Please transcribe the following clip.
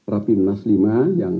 rapi menas v yang